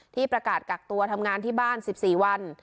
ที่ประกาศกักตัวทำงานที่บ้าน๑๔วัน